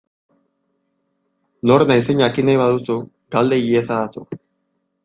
Nor naizen jakin nahi baduzu, galde iezadazu.